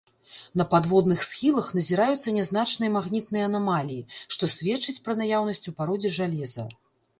На падводных схілах назіраюцца нязначныя магнітныя анамаліі, што сведчыць пра наяўнасць у пародзе жалеза.